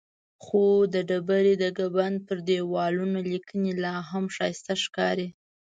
خو د ډبرې د ګنبد پر دیوالونو لیکنې لاهم ښایسته ښکاري.